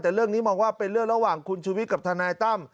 แต่เรื่องนี้มองว่าเป็นเรื่องระหว่างคุณชุวิตกับทนายตั้ม